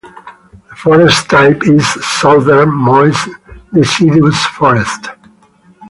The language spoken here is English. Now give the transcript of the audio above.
The forest type is Southern moist deciduous forest.